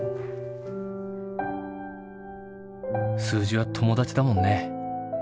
数字は友達だもんね。